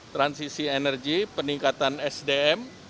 transisi energi peningkatan sdm